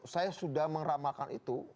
saya sudah mengeramakan itu